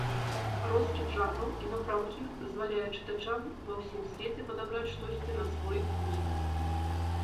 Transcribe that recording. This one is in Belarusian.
Роскід жанраў і напрамкі дазваляе чытачам ва ўсім свеце падабраць штосьці на свой густ.